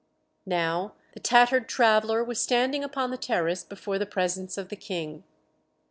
Now the tattered traveller was standing upon the terrace before the presence of the King.